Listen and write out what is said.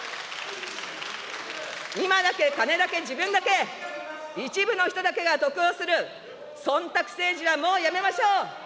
今だけ、金だけ、自分だけ、一部の人だけが得をする、そんたく政治はもうやめましょう。